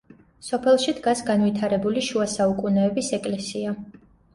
სოფელში დგას განვითარებული შუა საუკუნეების ეკლესია.